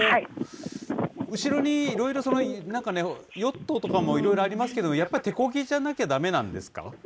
後ろにいろいろ、なんかね、ヨットとかもいろいろありますけども、やっぱり手こぎじゃなきゃだめなんですか？